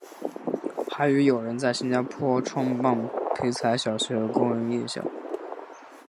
还与友人在新加坡创办培才小学和工人夜校。